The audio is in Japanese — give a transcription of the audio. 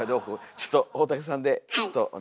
ちょっと大竹さんでちょっとお願いします